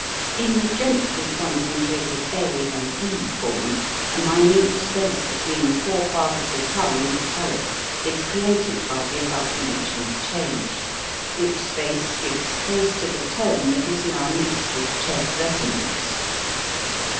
In the gently concentrated a and e form a minute space between the fore part of the tongue and the palate is created by the above mentioned change, which space gives place to the tone that is now mixed with chest resonance.